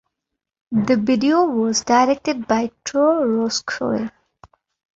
The video was directed by Troy Roscoe.